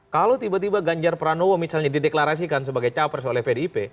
kalau tiba tiba ganjar pranowo misalnya dideklarasikan sebagai capres oleh pdip